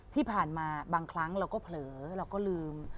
ที่ผ่านมาบางครั้งเราก็เผลอเราก็ลืม